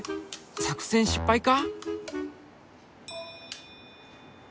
作戦失敗か！？